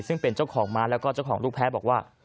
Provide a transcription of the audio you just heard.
ซึ่งเป็นเจ้าของม้าแล้วก็เจ้าของลูกแพ้บอกว่า